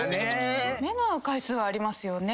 目の合う回数はありますよね。